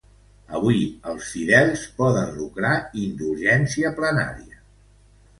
Avui els fidels poden lucrar indulgència plenària.